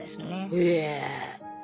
へえ。